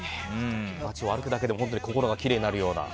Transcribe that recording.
街を歩くだけでも心がきれいになるような。